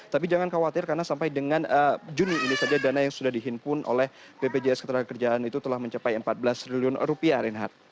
tapi jangan khawatir karena sampai dengan juni ini saja dana yang sudah dihimpun oleh bpjs ketenagakerjaan itu telah mencapai empat belas triliun rupiah reinhardt